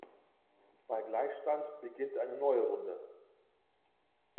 Bei Gleichstand beginnt eine neue Runde.